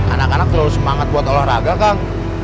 anak anak terlalu semangat buat olahraga kang